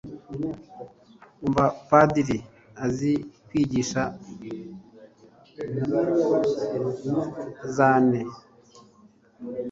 umva padiri azi kwigisha vzane